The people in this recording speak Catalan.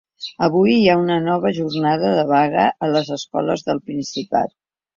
Avui hi ha una nova jornada de vaga a les escoles del Principat.